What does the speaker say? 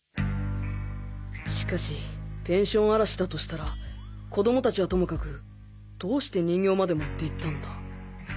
しかしペンション荒らしだとしたら子供達はともかくどうして人形まで持っていったんだ？